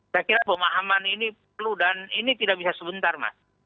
saya kira pemahaman ini perlu dan ini tidak bisa sebentar mas